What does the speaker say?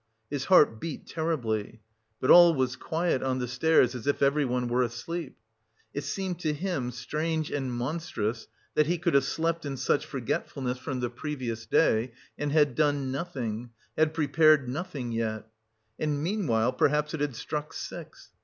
His heart beat terribly. But all was quiet on the stairs as if everyone was asleep.... It seemed to him strange and monstrous that he could have slept in such forgetfulness from the previous day and had done nothing, had prepared nothing yet.... And meanwhile perhaps it had struck six.